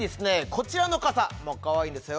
こちらの傘もかわいいんですよ